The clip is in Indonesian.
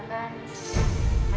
cukup bayar bunganya aja